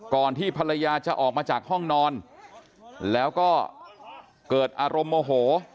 ที่ภรรยาจะออกมาจากห้องนอนแล้วก็เกิดอารมณ์โมโห